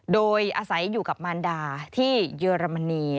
โดยอาศัยอยู่กับมารดาที่เยอรมนี